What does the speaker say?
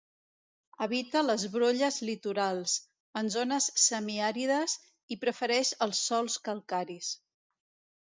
Habita les brolles litorals, en zones semiàrides i prefereix els sòls calcaris.